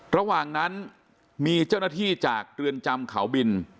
ระหว่างนั้นมีเจ้าหน้าที่จากเรือนจำเขาบิน